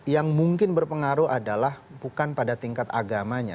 yang mungkin berpengaruh adalah bukan pada tingkat agamanya